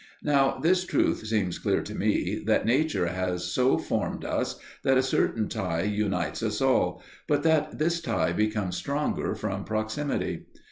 Now this truth seems clear to me, that nature has so formed us that a certain tie unites us all, but that this tie becomes stronger from proximity.